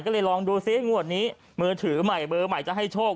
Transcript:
ก็เลยลองดูซิงวดนี้มือถือใหม่เบอร์ใหม่จะให้โชค